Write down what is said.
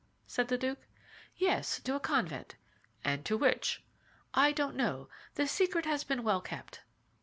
said the duke. "Yes, to a convent." "And to which?" "I don't know; the secret has been well kept."